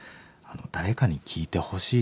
誰かに聞いてほしい。